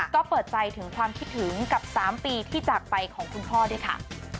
ก็เปิดใจถึงความคิดถึงกับ๓ปีที่จากไปของคุณพ่อด้วยค่ะ